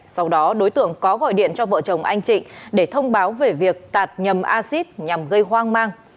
sau đó đối tượng có gọi điện cho vợ chồng anh trịnh để thông báo về việc tạt nhầm acid nhằm gây hoang mang